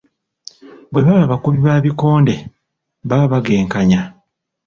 Bwe baba bakubi ba bikonde baba bagenkanya